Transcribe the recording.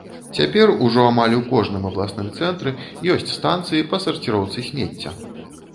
Цяпер ужо амаль у кожным абласным цэнтры ёсць станцыі па сарціроўцы смецця.